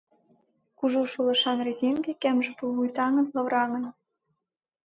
Кужу шулышан резинке кемже пулвуй таҥыт лавраҥын.